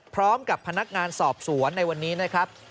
พร้อมกับพนักงานสอบสวนในวันนี้นะครับ